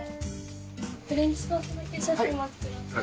フレンチトーストだけ少々お待ちください。